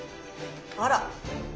あら。